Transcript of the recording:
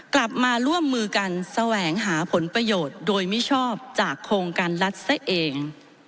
กลับมาร่วมมือกันแสวงหาผลประโยชน์โดยมิชอบจากโครงการรัฐซะเอง